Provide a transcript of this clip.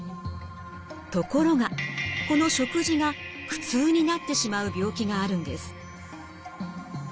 ところがこの食事が苦痛になってしまう病気があるんです。